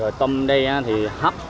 rồi tôm đây thì hấp